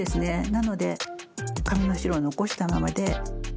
なので紙の白を残したままで。